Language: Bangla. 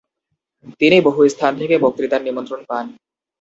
তিনি বহু স্থান থেকে বক্তৃতার নিমন্ত্রণ পান।